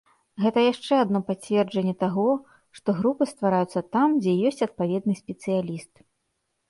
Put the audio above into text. Гэта яшчэ адно пацверджанне таго, што групы ствараюцца там, дзе ёсць адпаведны спецыяліст.